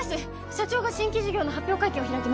社長が新規事業の発表会見を開きます。